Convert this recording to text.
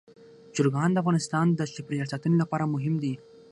چرګان د افغانستان د چاپیریال ساتنې لپاره مهم دي.